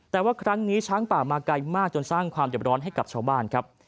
แต่ว่าครั้งนี้ช้างป่ามาไกลมากจนสร้างความเจ็บร้อนให้กับชาวบ้านครับ